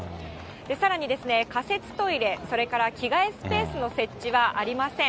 さらにですね、仮設トイレ、それから着替えスペースの設置はありません。